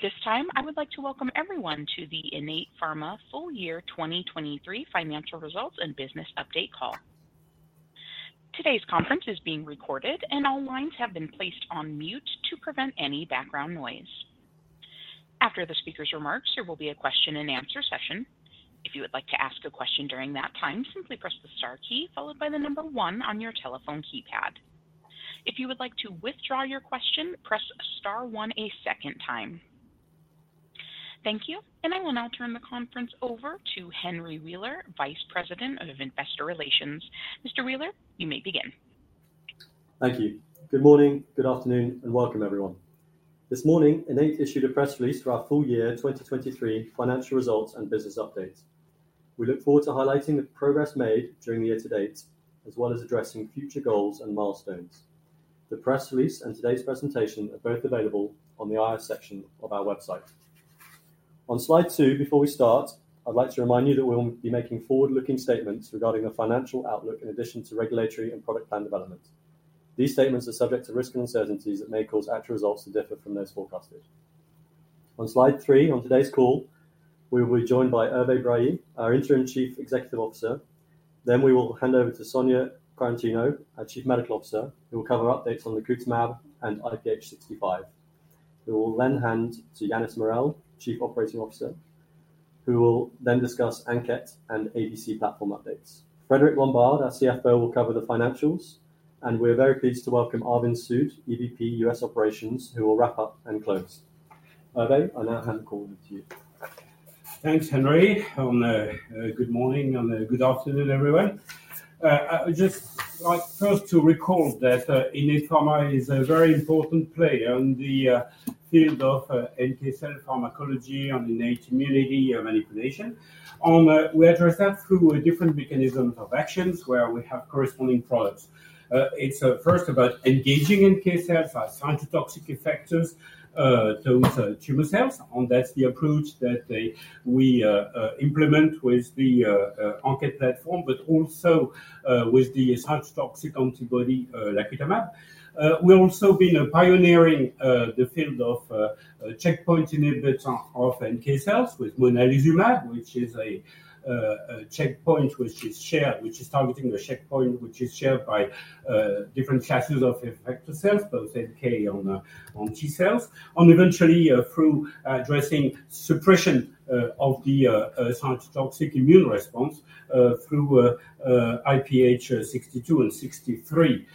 At this time, I would like to welcome everyone to the Innate Pharma full-year 2023 Financial Results and Business Update Call. Today's conference is being recorded, and all lines have been placed on mute to prevent any background noise. After the speaker's remarks, there will be a question-and-answer session. If you would like to ask a question during that time, simply press the star key followed by the number one on your telephone keypad. If you would like to withdraw your question, press star one a second time. Thank you, and I will now turn the conference over to Henry Wheeler, Vice President of Investor Relations. Mr. Wheeler, you may begin. Thank you. Good morning, good afternoon, and welcome, everyone. This morning, Innate issued a press release for our full-year 2023 financial results and business updates. We look forward to highlighting the progress made during the year to date, as well as addressing future goals and milestones. The press release and today's presentation are both available on the IR section of our website. On slide 2, before we start, I'd like to remind you that we'll be making forward-looking statements regarding the financial outlook in addition to regulatory and product plan development. These statements are subject to risk and uncertainties that may cause actual results to differ from those forecasted. On slide 3, on today's call, we will be joined by Hervé Brailly, our Interim Chief Executive Officer. We will hand over to Sonia Quaratino, our Chief Medical Officer, who will cover updates on the lacutamab and IPH6501. We will then hand to Yannis Morel, Chief Operating Officer, who will then discuss ANKET and ADC platform updates. Frédéric Lombard, our CFO, will cover the financials. We're very pleased to welcome Arvind Sood, EVP U.S. Operations, who will wrap up and close. Hervé, I now hand the call over to you. Thanks, Henry. Good morning and good afternoon, everyone. I would just like first to recall that Innate Pharma is a very important player in the field of NK cell pharmacology and innate immunity manipulation. We address that through different mechanisms of actions where we have corresponding products. It's first about engaging NK cells as cytotoxic effectors, those tumor cells, and that's the approach that we implement with the ANKET platform, but also with the cytotoxic antibody lacutamab. We've also been pioneering the field of checkpoint inhibitors of NK cells with monalizumab, which is a checkpoint which is shared which is targeting a checkpoint which is shared by different classes of effector cells, both NK and T cells, and eventually through addressing suppression of the cytotoxic immune response through IPH52 and 53,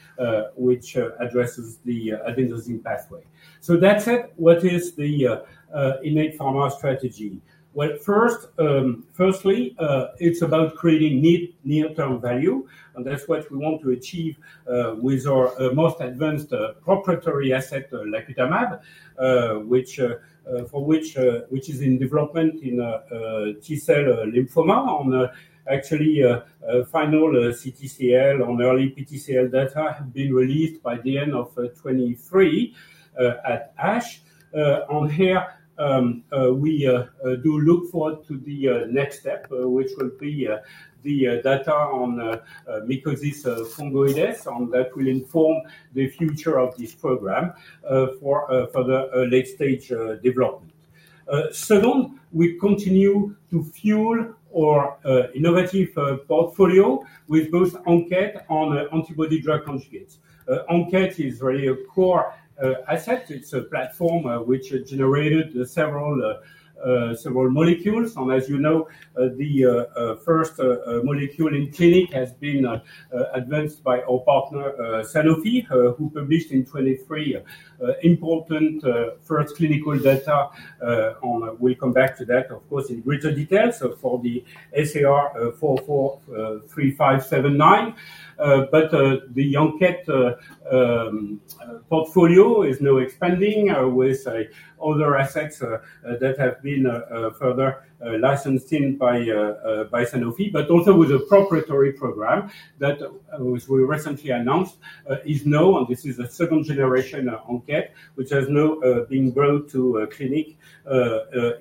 which addresses the adenosine pathway. So that's it. What is the Innate Pharma strategy? Well, firstly, it's about creating near-term value, and that's what we want to achieve with our most advanced proprietary asset, lacutamab, which is in development in T cell lymphoma. Actually, final CTCL and early PTCL data have been released by the end of 2023 at ASH. And here, we do look forward to the next step, which will be the data on mycosis fungoides, and that will inform the future of this program for the late-stage development. Second, we continue to fuel our innovative portfolio with both ANKET and antibody drug conjugates. ANKET is really a core asset. It's a platform which generated several molecules. And as you know, the first molecule in clinic has been advanced by our partner Sanofi, who published in 2023 important first clinical data. We'll come back to that, of course, in greater detail for the SAR 443579. But the ANKET portfolio is now expanding with other assets that have been further licensed in by Sanofi, but also with a proprietary program that was recently announced is now, and this is a second-generation ANKET, which has now been brought to clinic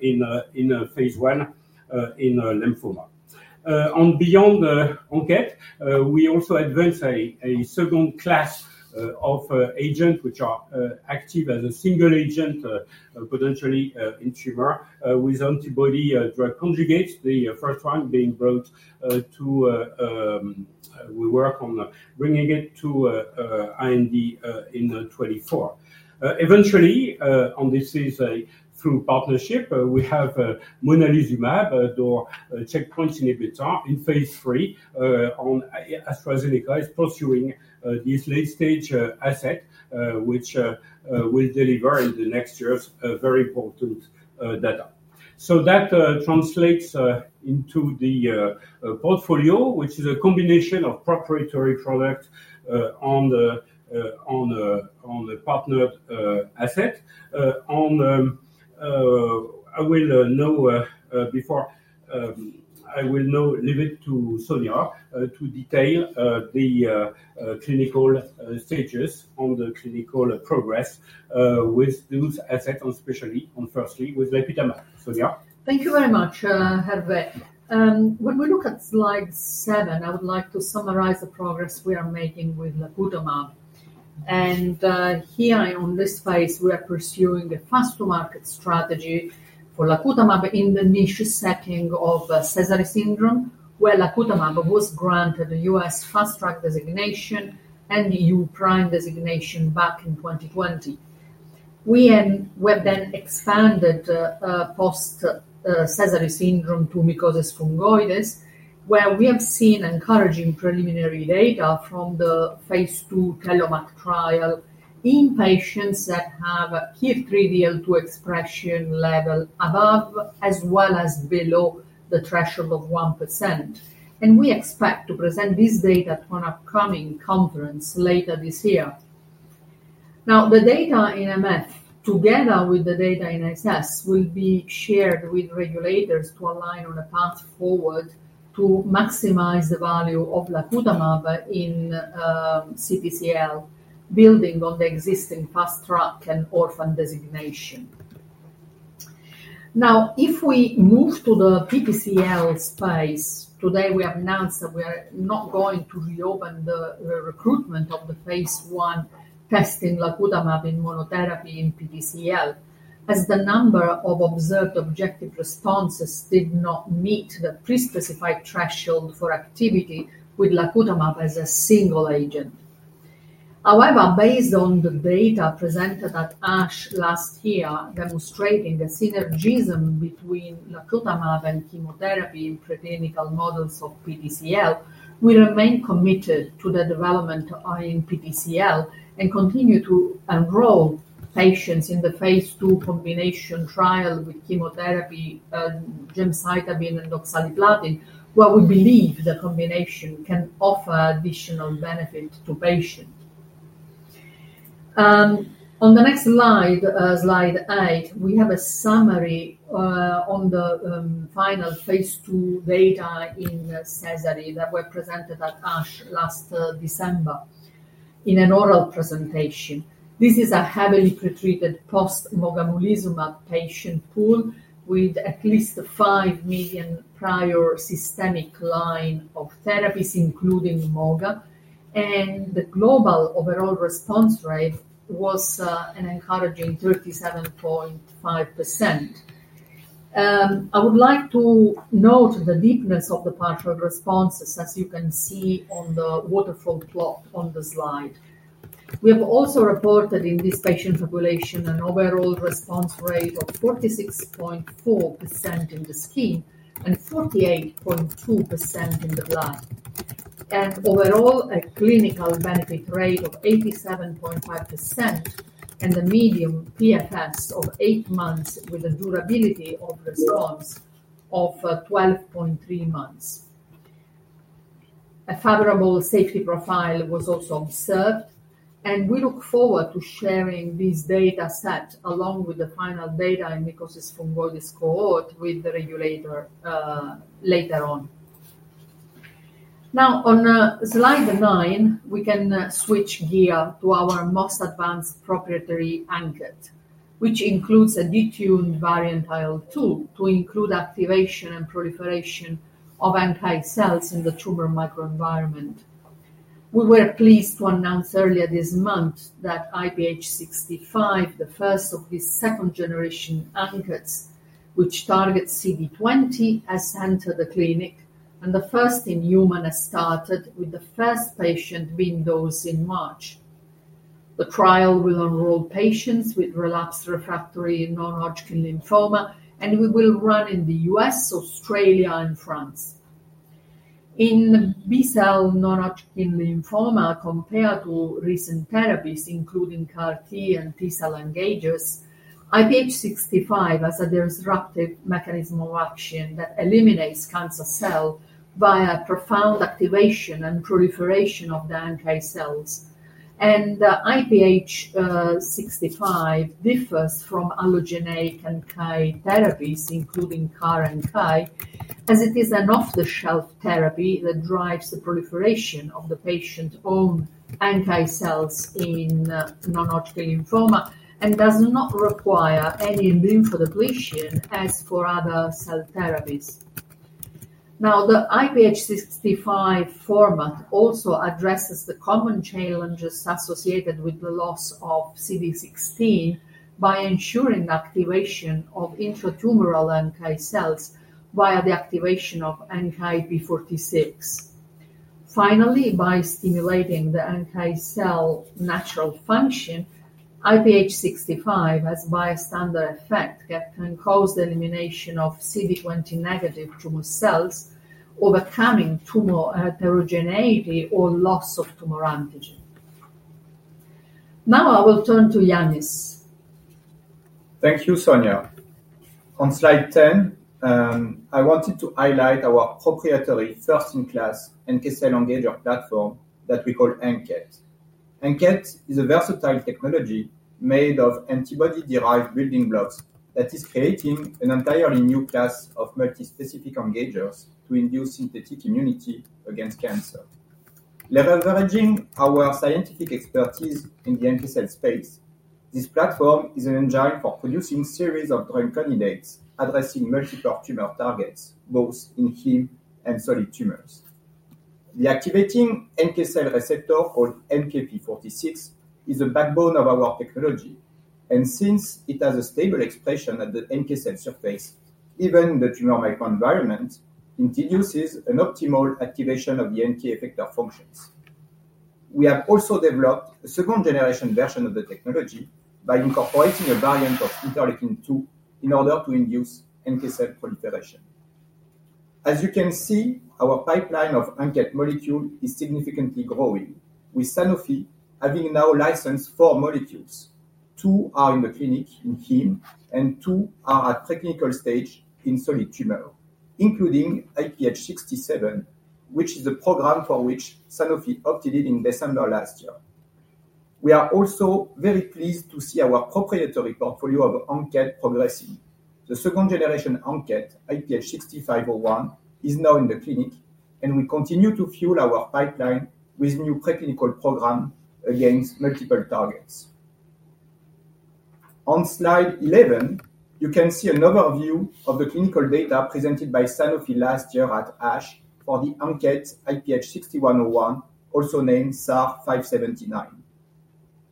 in phase I in lymphoma. And beyond ANKET, we also advanced a second class of agents which are active as a single agent potentially in tumor with antibody-drug conjugates, the first one being brought to we work on bringing it to IND in 2024. Eventually, and this is through partnership, we have monalizumab, a checkpoint inhibitor, in phase III. AstraZeneca is pursuing this late-stage asset, which will deliver in the next years very important data. So that translates into the portfolio, which is a combination of proprietary product and a partnered asset. And I will now leave it to Sonia to detail the clinical stages and the clinical progress with those assets, and especially and firstly, with lacutamab. Sonia? Thank you very much, Hervé. When we look at slide 7, I would like to summarize the progress we are making with lacutamab. Here, on this phase, we are pursuing a fast-to-market strategy for lacutamab in the niche setting of Sézary syndrome, where lacutamab was granted the U.S. Fast Track designation and the EU PRIME designation back in 2020. We then expanded post-Sézary syndrome to mycosis fungoides, where we have seen encouraging preliminary data from the phase II TELLOMAK trial in patients that have KIR3DL2 expression level above as well as below the threshold of 1%. We expect to present this data at one upcoming conference later this year. Now, the data in MF, together with the data in SS, will be shared with regulators to align on a path forward to maximize the value of lacutamab in CTCL, building on the existing Fast Track and Orphan designation. Now, if we move to the PTCL space, today we announced that we are not going to reopen the recruitment of the phase I testing lacutamab in monotherapy in PTCL, as the number of observed objective responses did not meet the prespecified threshold for activity with lacutamab as a single agent. However, based on the data presented at ASH last year, demonstrating a synergism between lacutamab and chemotherapy in preclinical models of PTCL, we remain committed to the development in PTCL and continue to enroll patients in the phase II combination trial with chemotherapy, gemcitabine and oxaliplatin, where we believe the combination can offer additional benefit to patients. On the next slide, slide 8, we have a summary on the final phase II data in Sézary syndrome that were presented at ASH last December in an oral presentation. This is a heavily pretreated post-mogamulizumab patient pool with at least five prior systemic lines of therapy, including Moga, and the global overall response rate was an encouraging 37.5%. I would like to note the deepness of the partial responses, as you can see on the waterfall plot on the slide. We have also reported in this patient population an overall response rate of 46.4% in the skin and 48.2% in the blood, and overall a clinical benefit rate of 87.5%, and the median PFS of 8 months with a durability of response of 12.3 months. A favorable safety profile was also observed, and we look forward to sharing this data set along with the final data in mycosis fungoides cohort with the regulator later on. Now, on slide 9, we can switch gear to our most advanced proprietary ANKET, which includes a detuned variant IL-2 to include activation and proliferation of NK cells in the tumor microenvironment. We were pleased to announce earlier this month that IPH65, the first of these second-generation ANKETs which target CD20, has entered the clinic, and the first in human has started with the first patient being dosed in March. The trial will enroll patients with relapsed refractory non-Hodgkin lymphoma, and we will run in the US, Australia, and France. In B-cell non-Hodgkin lymphoma, compared to recent therapies, including CAR-T and T-cell engagers, IPH65 has a disruptive mechanism of action that eliminates cancer cells via profound activation and proliferation of the NK cells. IPH65 differs from allogeneic NK therapies, including CAR-NK, as it is an off-the-shelf therapy that drives the proliferation of the patient's own NK cells in non-Hodgkin lymphoma and does not require any lymphodepletion as for other cell therapies. Now, the IPH65 format also addresses the common challenges associated with the loss of CD16 by ensuring the activation of intratumoral NK cells via the activation of NKp46. Finally, by stimulating the NK cell natural function, IPH65, as a bystander effect, can cause the elimination of CD20-negative tumor cells, overcoming tumor heterogeneity or loss of tumor antigen. Now, I will turn to Yannis. Thank you, Sonia. On slide 10, I wanted to highlight our proprietary first-in-class NK cell engager platform that we call ANKET. ANKET is a versatile technology made of antibody-derived building blocks that is creating an entirely new class of multispecific engagers to induce synthetic immunity against cancer. Leveraging our scientific expertise in the NK cell space, this platform is an engine for producing a series of drug candidates addressing multiple tumor targets, both in heme and solid tumors. The activating NK cell receptor called NKp46 is the backbone of our technology, and since it has a stable expression at the NK cell surface, even in the tumor microenvironment, it induces an optimal activation of the NK effector functions. We have also developed a second-generation version of the technology by incorporating a variant of interleukin 2 in order to induce NK cell proliferation. As you can see, our pipeline of ANKET molecules is significantly growing, with Sanofi having now licensed four molecules. Two are in the clinic in heme, and two are at preclinical stage in solid tumor, including IPH67, which is the program for which Sanofi opted in December last year. We are also very pleased to see our proprietary portfolio of ANKET progressing. The second-generation ANKET, IPH6501, is now in the clinic, and we continue to fuel our pipeline with new preclinical programs against multiple targets. On slide 11, you can see an overview of the clinical data presented by Sanofi last year at ASH for the ANKET IPH6101, also named SAR 579.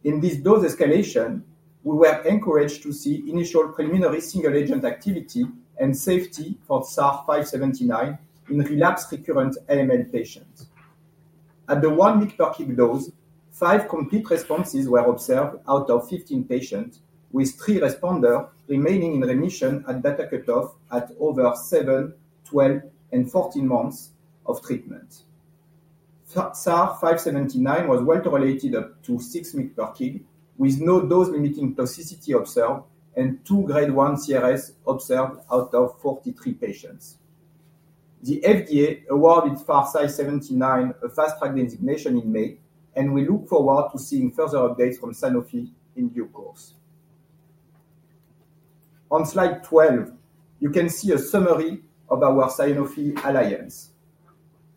In this dose escalation, we were encouraged to see initial preliminary single-agent activity and safety for SAR 579 in relapsed recurrent AML patients. At the one-week per-cycle dose, 5 complete responses were observed out of 15 patients, with 3 responders remaining in remission at data cutoff at over 7, 12, and 14 months of treatment. SAR 579 was well tolerated up to six weeks per-cycle, with no dose-limiting toxicity observed and 2 grade 1 CRS observed out of 43 patients. The FDA awarded 579 a Fast Track designation in May, and we look forward to seeing further updates from Sanofi in due course. On slide 12, you can see a summary of our Sanofi alliance.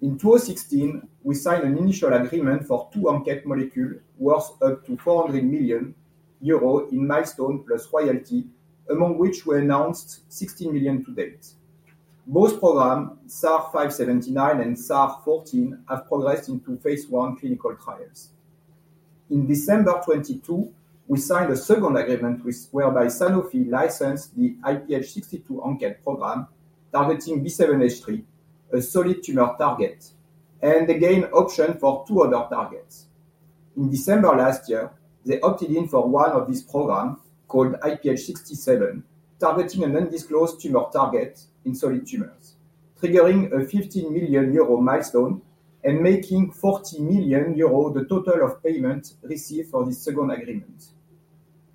In 2016, we signed an initial agreement for two ANKET molecules, worth up to 400 million euro in milestone plus royalty, among which we announced 16 million to date. Both programs, SAR 579 and SAR 445136, have progressed into phase I clinical trials. In December 2022, we signed a second agreement whereby Sanofi licensed the IPH62 ANKET program targeting B7-H3, a solid tumor target, and again optioned for two other targets. In December last year, they opted in for one of these programs called IPH67, targeting an undisclosed tumor target in solid tumors, triggering a 15 million euro milestone and making 40 million euro the total of payment received for this second agreement.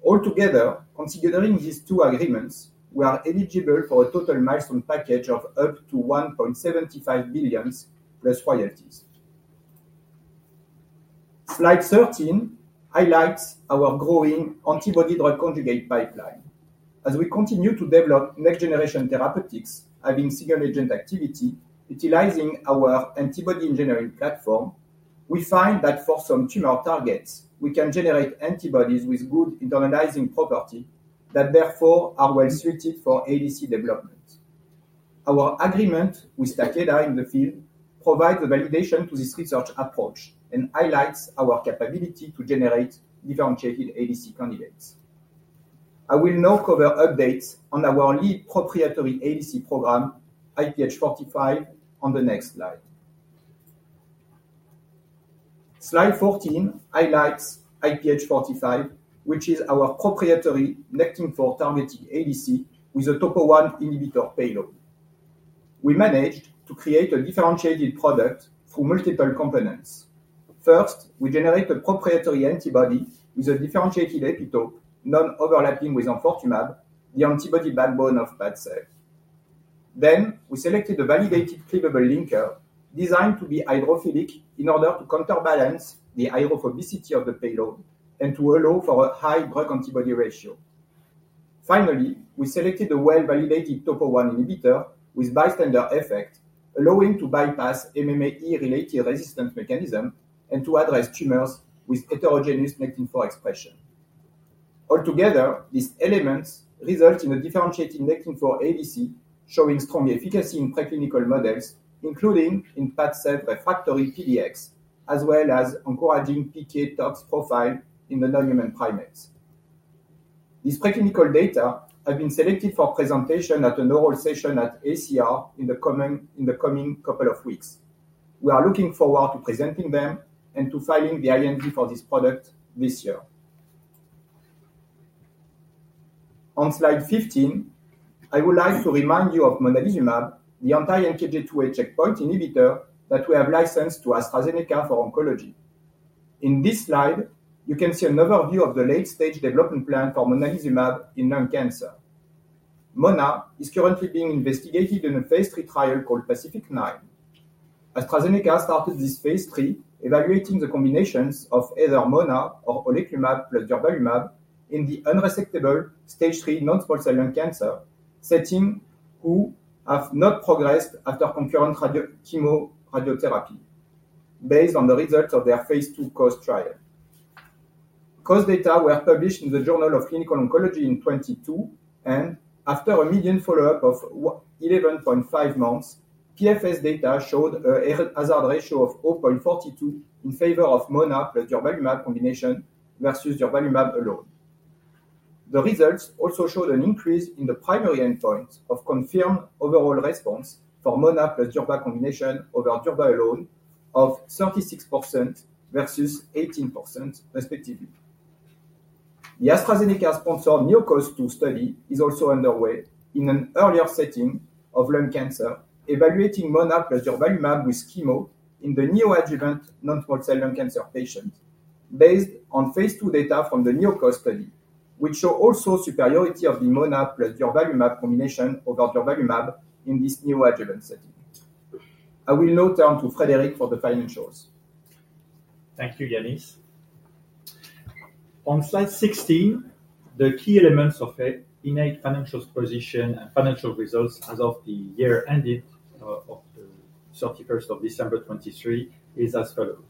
Altogether, considering these two agreements, we are eligible for a total milestone package of up to 1.75 billion plus royalties. Slide 13 highlights our growing antibody-drug conjugate pipeline. As we continue to develop next-generation therapeutics having single-agent activity utilizing our antibody engineering platform, we find that for some tumor targets, we can generate antibodies with good internalizing property that therefore are well-suited for ADC development. Our agreement with Takeda in the field provides validation to this research approach and highlights our capability to generate differentiated ADC candidates. I will now cover updates on our lead proprietary ADC program, IPH45, on the next slide. Slide 14 highlights IPH45, which is our proprietary Nectin-4 targeting ADC with a topo-1 inhibitor payload. We managed to create a differentiated product through multiple components. First, we generated a proprietary antibody with a differentiated epitope non-overlapping with enfortumab, the antibody backbone of PADCEV. Then, we selected a validated cleavable linker designed to be hydrophilic in order to counterbalance the hydrophobicity of the payload and to allow for a high drug-antibody ratio. Finally, we selected a well-validated topo-1 inhibitor with bystander effect, allowing to bypass MMAE-related resistance mechanism and to address tumors with heterogeneous Nectin-4 expression. Altogether, these elements result in a differentiated Nectin-4 ADC showing strong efficacy in preclinical models, including in PADCEV-refractory PDX, as well as encouraging PK/tox profile in the non-human primates. These preclinical data have been selected for presentation at an oral session at AACR in the coming couple of weeks. We are looking forward to presenting them and to filing the IND for this product this year. On slide 15, I would like to remind you of monalizumab, the anti-NKG2A checkpoint inhibitor that we have licensed to AstraZeneca for oncology. In this slide, you can see an overview of the late-stage development plan for monalizumab in lung cancer. MoNA is currently being investigated in a phase III trial called PACIFIC-9. AstraZeneca started this phase III evaluating the combinations of either MoNA or oleclumab plus durvalumab in the unresectable stage 3 non-small cell lung cancer setting who have not progressed after concurrent chemoradiotherapy based on the results of their phase II COAST trial. COAST data were published in the Journal of Clinical Oncology in 2022, and after a median follow-up of 11.5 months, PFS data showed a hazard ratio of 0.42 in favor of MoNA+ durvalumab combination versus durvalumab alone. The results also showed an increase in the primary endpoints of confirmed overall response for MoNA+ Durva combination over Durva alone of 36% versus 18%, respectively. The AstraZeneca-sponsored NeoCOAST-2 study is also underway in an earlier setting of lung cancer, evaluating MoNA+ durvalumab with chemo in the neoadjuvant non-small cell lung cancer patients based on phase II data from the NeoCOAST study, which show also superiority of the MoNA+ durvalumab combination over durvalumab in this neoadjuvant setting. I will now turn to Frédéric for the financials. Thank you, Yannis. On slide 16, the key elements of Innate's financial position and financial results as of the year ended on the 31st of December 2023 is as follows: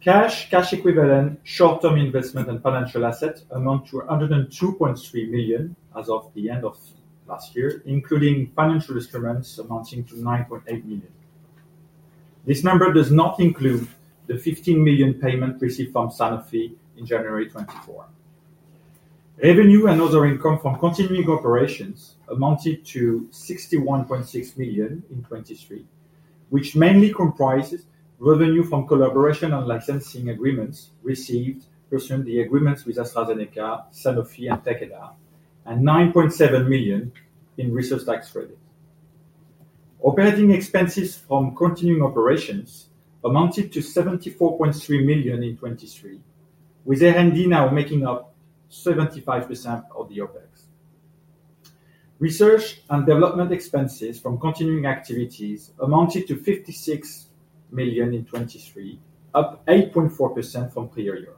Cash and cash equivalents, short-term investments, and financial assets amount to 102.3 million as of the end of last year, including financial instruments amounting to 9.8 million. This number does not include the 15 million payment received from Sanofi in January 2024. Revenue and other income from continuing operations amounted to 61.6 million in 2023, which mainly comprises revenue from collaboration and licensing agreements received pursuant to the agreements with AstraZeneca, Sanofi, and Takeda, and 9.7 million in research tax credits. Operating expenses from continuing operations amounted to 74.3 million in 2023, with R&D now making up 75% of the OpEx. Research and development expenses from continuing activities amounted to 56 million in 2023, up 8.4% from prior year.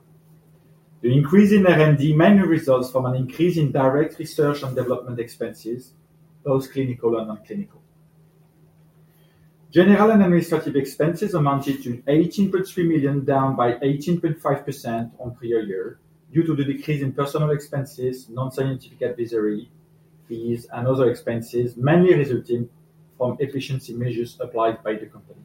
The increase in R&D mainly results from an increase in direct research and development expenses, both clinical and non-clinical. General and administrative expenses amounted to 18.3 million, down by 18.5% on prior year due to the decrease in personnel expenses, non-scientific advisory, fees, and other expenses mainly resulting from efficiency measures applied by the company.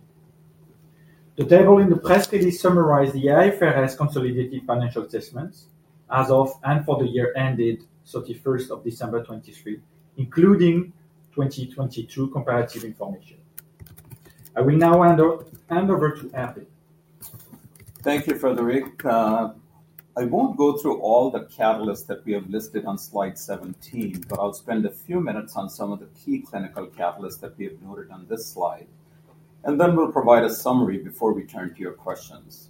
The table in the press release summarized the IFRS consolidated financial statements as of and for the year ended 31st of December 2023, including 2022 comparative information. I will now hand over to Hervé. Thank you, Frédéric. I won't go through all the catalysts that we have listed on slide 17, but I'll spend a few minutes on some of the key clinical catalysts that we have noted on this slide, and then we'll provide a summary before we turn to your questions.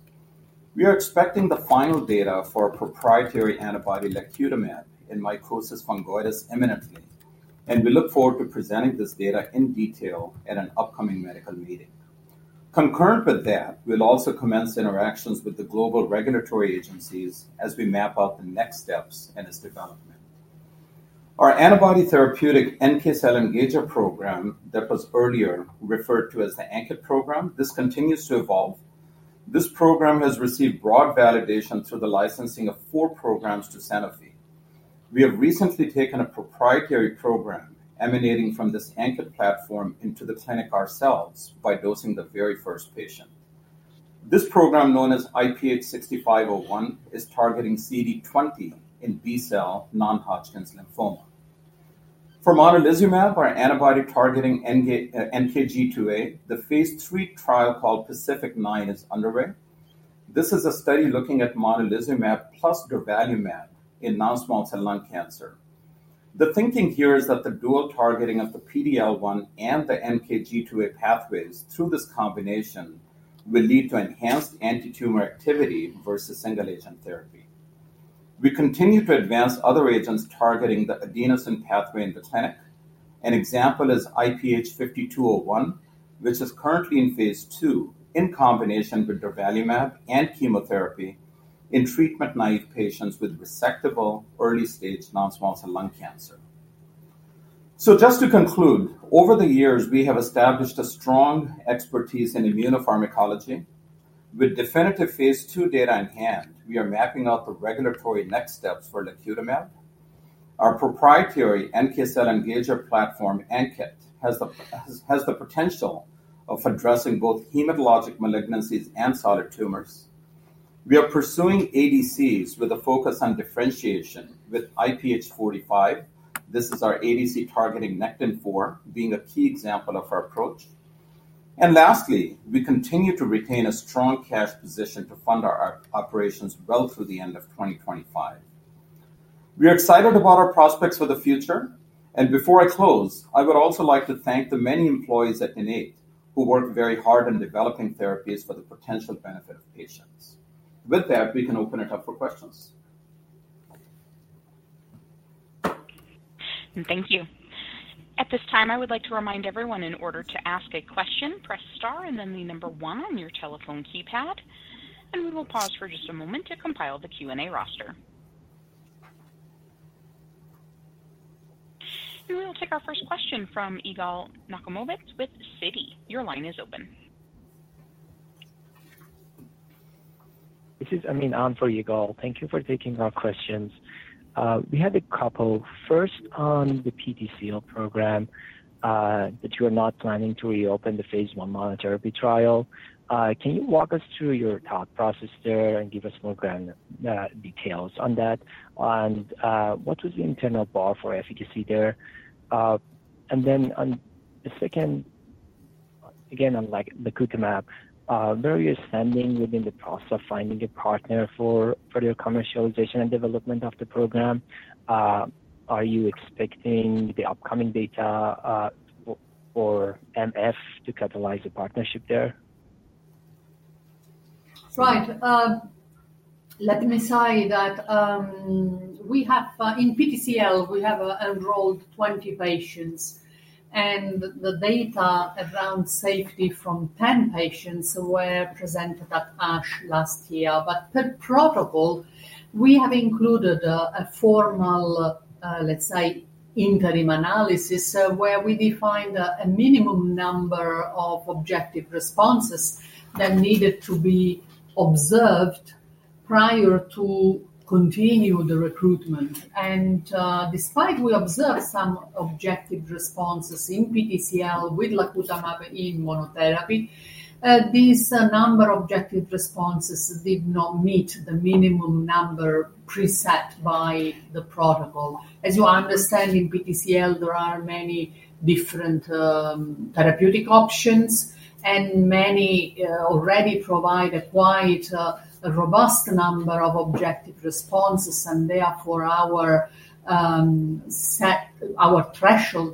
We are expecting the final data for proprietary antibody lacutamab in mycosis fungoides imminently, and we look forward to presenting this data in detail at an upcoming medical meeting. Concurrent with that, we'll also commence interactions with the global regulatory agencies as we map out the next steps in its development. Our antibody therapeutic NK cell engager program that was earlier referred to as the ANKET program, this continues to evolve. This program has received broad validation through the licensing of four programs to Sanofi. We have recently taken a proprietary program emanating from this ANKET platform into the clinic ourselves by dosing the very first patient. This program, known as IPH6501, is targeting CD20 in B cell non-Hodgkin lymphoma. For monalizumab, our antibody-targeting NKG2A, the phase III trial called PACIFIC-9 is underway. This is a study looking at monalizumab plus durvalumab in non-small cell lung cancer. The thinking here is that the dual targeting of the PD-L1 and the NKG2A pathways through this combination will lead to enhanced anti-tumor activity versus single-agent therapy. We continue to advance other agents targeting the adenosine pathway in the clinic. An example is IPH5201, which is currently in phase II in combination with durvalumab and chemotherapy in treatment-naive patients with resectable early-stage non-small cell lung cancer. Just to conclude, over the years, we have established a strong expertise in immunopharmacology. With definitive phase II data in hand, we are mapping out the regulatory next steps for lacutamab. Our proprietary NK cell engager platform, ANKET, has the potential of addressing both hematologic malignancies and solid tumors. We are pursuing ADCs with a focus on differentiation with IPH45. This is our ADC targeting Nectin-4 being a key example of our approach. And lastly, we continue to retain a strong cash position to fund our operations well through the end of 2025. We are excited about our prospects for the future. And before I close, I would also like to thank the many employees at Innate Pharma who work very hard on developing therapies for the potential benefit of patients. With that, we can open it up for questions. Thank you. At this time, I would like to remind everyone, in order to ask a question, press star and then the number one on your telephone keypad. We will pause for just a moment to compile the Q&A roster. We will take our first question from Yigal Nochomovitz with Citi. Your line is open. This is Aminfar on for Yigal. Thank you for taking our questions. We had a couple. First, on the PDCO program, that you are not planning to reopen the phase I monotherapy trial. Can you walk us through your thought process there and give us more details on that? And what was the internal bar for efficacy there? And then on the second, again, on lacutamab, where are you standing within the process of finding a partner for your commercialization and development of the program? Are you expecting the upcoming data for MF to catalyze a partnership there? Right. Let me say that in PTCL, we have enrolled 20 patients. The data around safety from 10 patients were presented at ASH last year. Per protocol, we have included a formal, let's say, interim analysis where we defined a minimum number of objective responses that needed to be observed prior to continue the recruitment. Despite we observed some objective responses in PTCL with lacutamab in monotherapy, this number of objective responses did not meet the minimum number preset by the protocol. As you understand, in PTCL, there are many different therapeutic options, and many already provide a quite robust number of objective responses, and therefore our threshold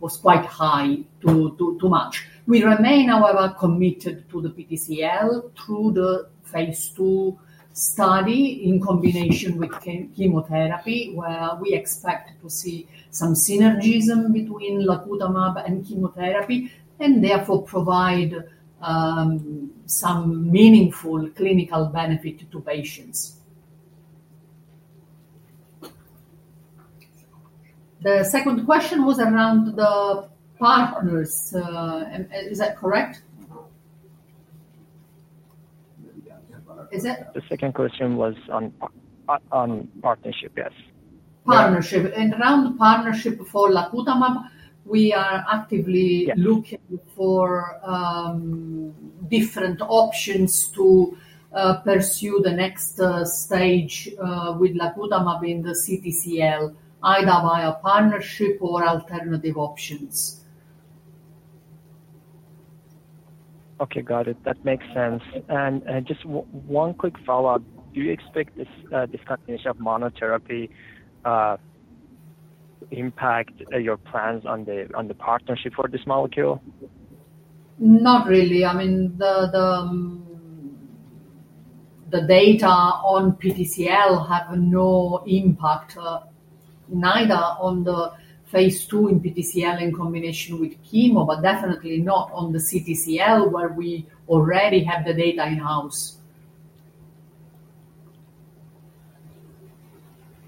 was quite high, too much. We remain, however, committed to the PTCL through the phase II study in combination with chemotherapy, where we expect to see some synergism between lacutamab and chemotherapy, and therefore provide some meaningful clinical benefit to patients. The second question was around the partners. Is that correct? Is that? The second question was on partnership, yes. Partnership. Around partnership for lacutamab, we are actively looking for different options to pursue the next stage with lacutamab in the CTCL, either via partnership or alternative options. Okay, got it. That makes sense. Just one quick follow-up. Do you expect this continuation of monotherapy to impact your plans on the partnership for this molecule? Not really. I mean, the data on PTCL have no impact, neither on the phase II in PTCL in combination with chemo, but definitely not on the CTCL where we already have the data in-house.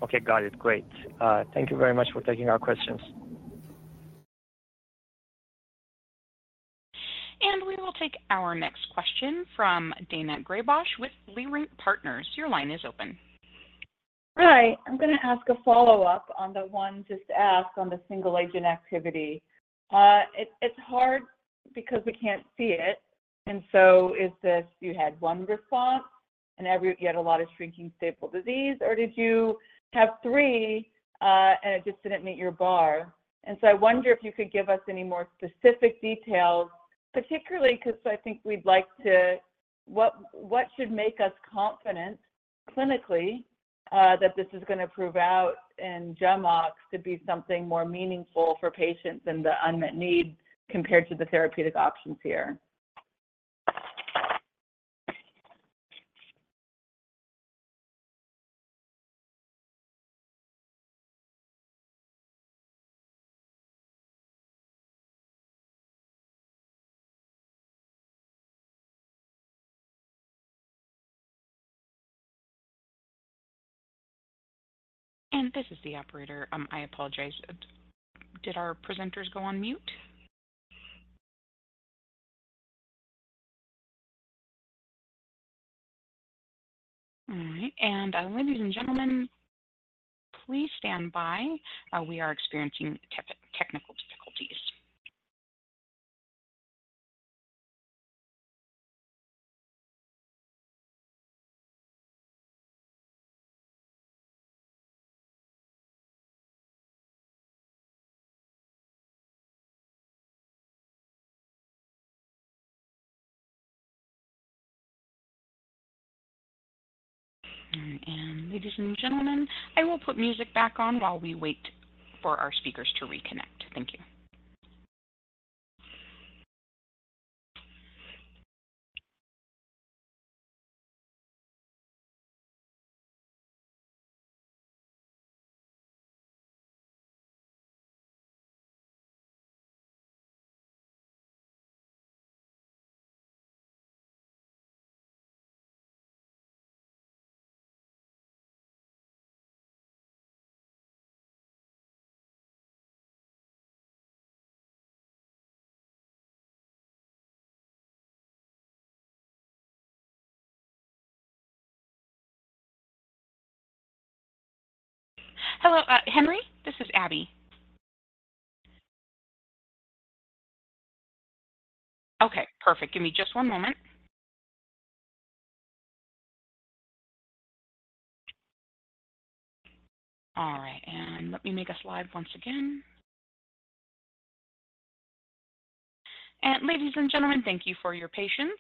Okay, got it. Great. Thank you very much for taking our questions. We will take our next question from Daina Graybosch with Leerink Partners. Your line is open. Hi. I'm going to ask a follow-up on the one just asked on the single-agent activity. It's hard because we can't see it. And so is this you had one response and yet a lot of shrinking stable disease, or did you have three and it just didn't meet your bar? And so I wonder if you could give us any more specific details, particularly because I think we'd like to what should make us confident clinically that this is going to prove out in GEMOX to be something more meaningful for patients and the unmet needs compared to the therapeutic options here? This is the operator. I apologize. Did our presenters go on mute? All right. Ladies and gentlemen, please stand by. We are experiencing technical difficulties. All right. Ladies and gentlemen, I will put music back on while we wait for our speakers to reconnect. Thank you. Hello, Henry? This is Abby. Okay, perfect. Give me just one moment. All right. Let me make a slide once again. Ladies and gentlemen, thank you for your patience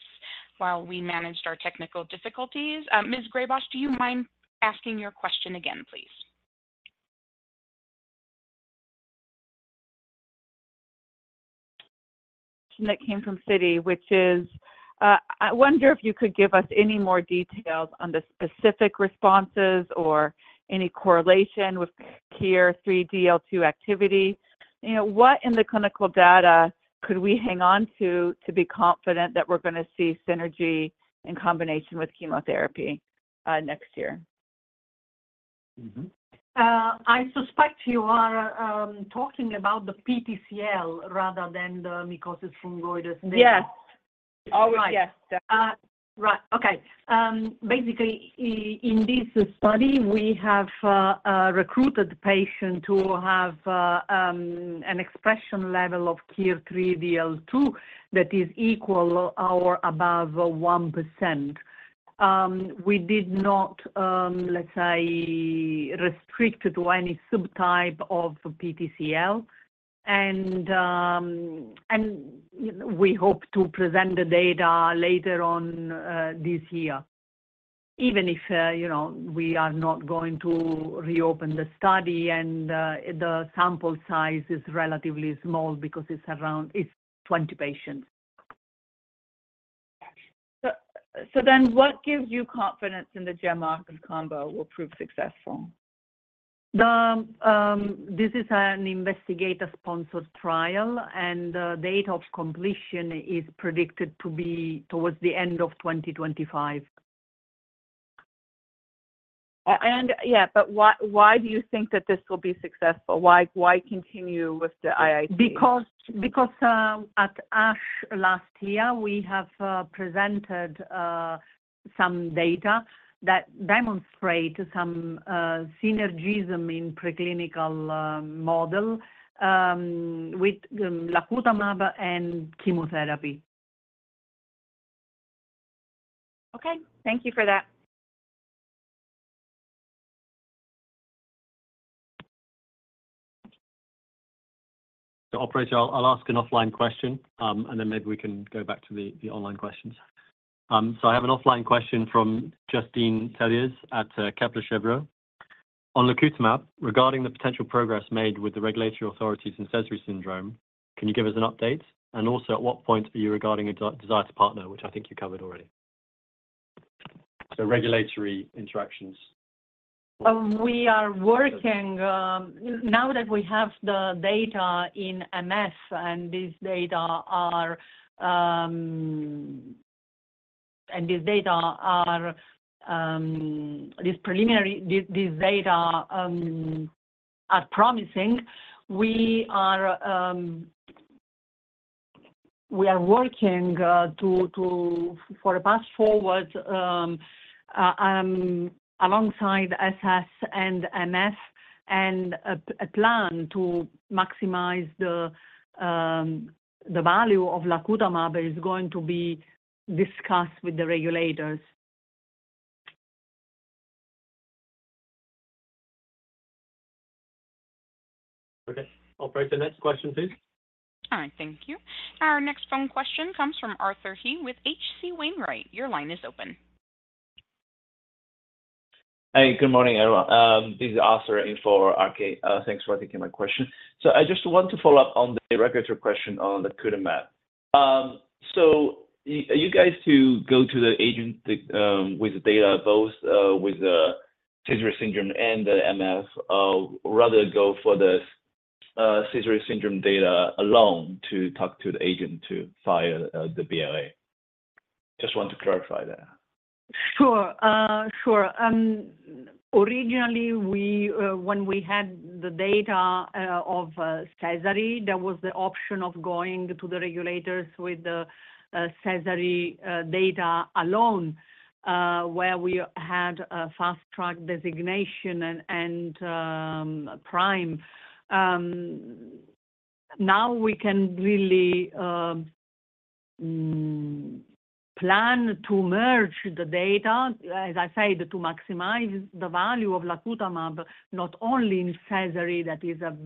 while we managed our technical difficulties. Ms. Graybosch, do you mind asking your question again, please? That came from Citi, which is, I wonder if you could give us any more details on the specific responses or any correlation with KIR3DL2 activity. What in the clinical data could we hang on to to be confident that we're going to see synergy in combination with chemotherapy next year? I suspect you are talking about the PTCL rather than the mycosis fungoides. Yes. Always, yes. Right. Okay. Basically, in this study, we have recruited patients who have an expression level of KIR3DL2 that is equal or above 1%. We did not, let's say, restrict to any subtype of PTCL, and we hope to present the data later on this year, even if we are not going to reopen the study and the sample size is relatively small because it's around 20 patients. What gives you confidence in the GEMOX combo will prove successful? This is an investigator-sponsored trial, and the date of completion is predicted to be towards the end of 2025. Yeah, but why do you think that this will be successful? Why continue with the IIT? Because at ASH last year, we have presented some data that demonstrated some synergism in preclinical models with lacutamab and chemotherapy. Okay. Thank you for that. So operator, I'll ask an offline question, and then maybe we can go back to the online questions. So I have an offline question from Justine Telliez at Kepler Cheuvreux. On lacutamab, regarding the potential progress made with the regulatory authorities in Sézary syndrome, can you give us an update? And also, at what point are you regarding a desired partner, which I think you covered already? So regulatory interactions. We are working now that we have the data in MF, and these preliminary data are promising. We are working for a path forward alongside SS and MF, and a plan to maximize the value of lacutamab is going to be discussed with the regulators. Okay. Operator, next question, please. All right. Thank you. Our next phone question comes from Arthur He with H.C. Wainwright. Your line is open. Hey. Good morning, everyone. This is Arthur He for H.C. Wainwright. Thanks for taking my question. So I just want to follow up on the regulatory question on lacutamab. So are you guys to go to the agency with the data, both with the Sézary syndrome and the MF, or rather go for the Sézary syndrome data alone to talk to the agency to file the BLA? Just want to clarify that. Sure. Sure. Originally, when we had the data of Sézary, there was the option of going to the regulators with the Sézary data alone, where we had Fast Track designation and PRIME. Now we can really plan to merge the data, as I say, to maximize the value of lacutamab not only in Sézary, that is a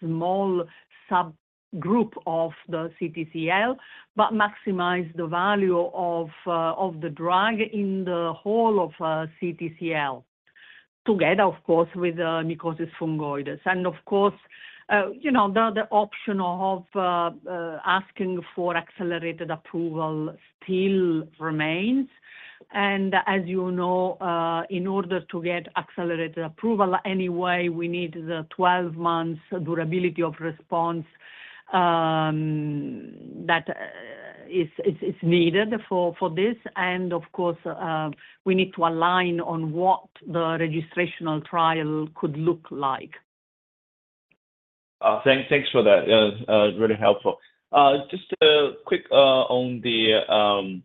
small subgroup of the CTCL, but maximize the value of the drug in the whole of CTCL, together, of course, with mycosis fungoides. And of course, the option of asking for accelerated approval still remains. And as you know, in order to get accelerated approval anyway, we need the 12-month durability of response that is needed for this. And of course, we need to align on what the registrational trial could look like. Thanks for that. Really helpful. Just quick on the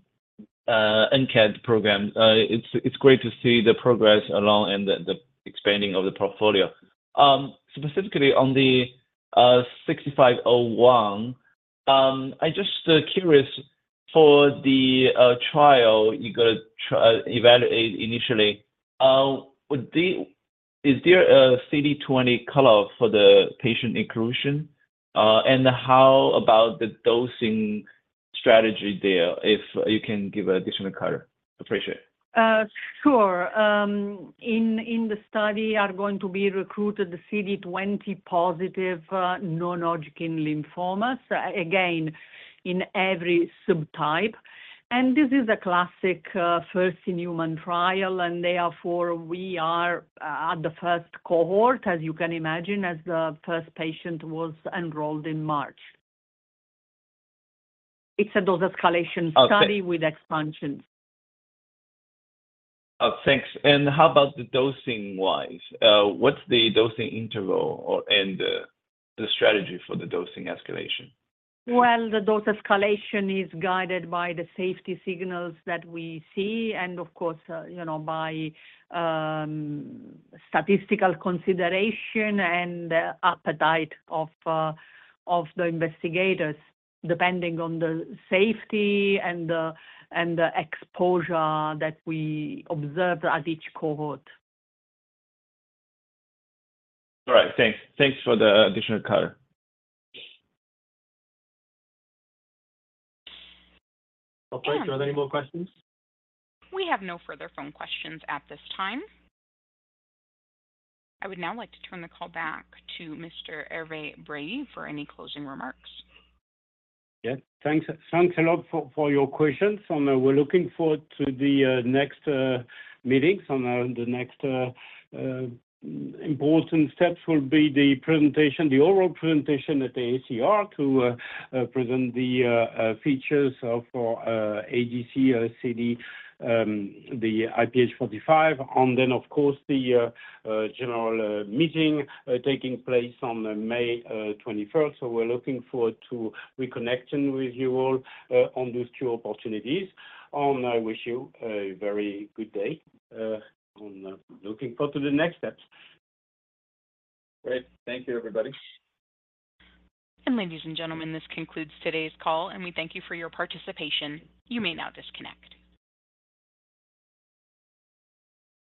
ANKET program. It's great to see the progress along and the expanding of the portfolio. Specifically on the 6501, I'm just curious, for the trial you're going to evaluate initially, is there a CD20 cutoff for the patient inclusion? And how about the dosing strategy there, if you can give an additional cut? Appreciate. Sure. In the study, are going to be recruited the CD20-positive non-Hodgkin lymphomas, again, in every subtype. This is a classic first-in-human trial, and therefore we are at the first cohort, as you can imagine, as the first patient was enrolled in March. It's a dose escalation study with expansion. Thanks. And how about the dosing-wise? What's the dosing interval and the strategy for the dosing escalation? Well, the dose escalation is guided by the safety signals that we see and, of course, by statistical consideration and the appetite of the investigators, depending on the safety and the exposure that we observe at each cohort. All right. Thanks. Thanks for the additional color. Operator, are there any more questions? We have no further phone questions at this time. I would now like to turn the call back to Mr. Hervé Brailly for any closing remarks. Yeah. Thanks a lot for your questions. We're looking forward to the next meetings. The next important steps will be the oral presentation at the AACR to present the features of the ADC, the IPH45, and then, of course, the general meeting taking place on May 21st. We're looking forward to reconnecting with you all on those two opportunities. I wish you a very good day. I'm looking forward to the next steps. Great. Thank you, everybody. Ladies and gentlemen, this concludes today's call, and we thank you for your participation. You may now disconnect.